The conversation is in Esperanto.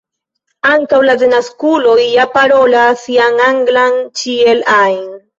ankaŭ la denaskuloj ja parolas sian anglan ĉiel ajn.